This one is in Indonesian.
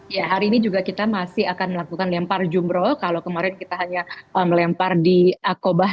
ya hari ini juga kita masih akan melakukan lempar jumroh kalau kemarin kita hanya melempar di akobah